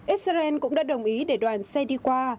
israel cũng đã đồng ý để đoàn xe đi qua